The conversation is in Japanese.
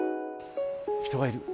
人がいる。